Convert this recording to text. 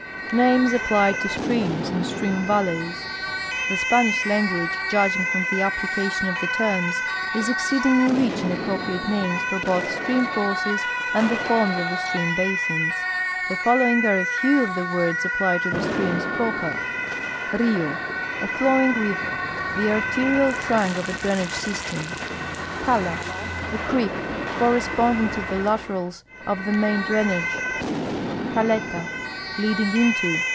NAMES APPLIED TO STREAMS AND STREAM VALLEYS The Spanish language, judging from the application of the terms, is exceedingly rich in appropriate names for both stream courses and the forms of the stream basins. The following are a few of the words ajiplied to the streams proper : Rio. — flowing river; the arterial trunk of a drainage system. Cala. — A creek, corresponding to the laterals of the main drainage. Calela (leading into).